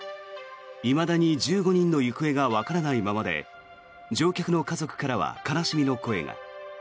いまだに１５人の行方がわからないままで乗客の家族からは悲しみの声が。